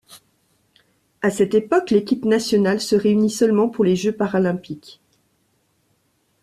À cette époque, l'équipe nationale se réunit seulement pour les Jeux paralympiques.